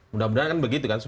mudah mudahan kan begitu kan